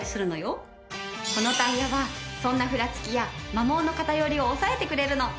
このタイヤはそんなふらつきや摩耗の偏りを抑えてくれるの。